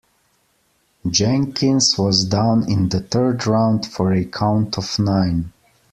Jenkins was down in the third round for a count of nine.